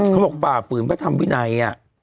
เขาบอกป่าฝืนพระธรรมวินัย